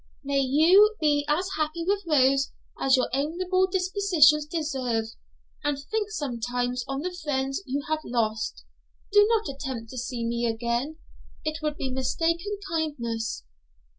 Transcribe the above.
May you be as happy with Rose as your amiable dispositions deserve; and think sometimes on the friends you have lost. Do not attempt to see me again; it would be mistaken kindness.'